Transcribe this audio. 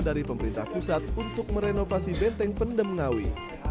dari pemerintah pusat untuk merenovasi benteng pendem ngawi